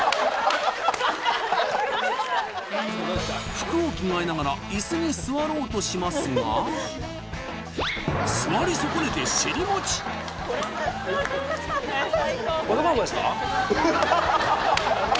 服を着替えながらイスに座ろうとしますが座り損ねて尻もち男の子ですか？